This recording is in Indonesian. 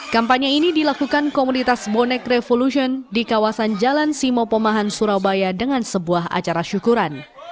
kampanye ini dilakukan komunitas bonek revolution di kawasan jalan simo pomahan surabaya dengan sebuah acara syukuran